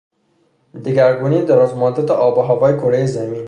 دگرگونی درازمدت آب و هوای کرهی زمین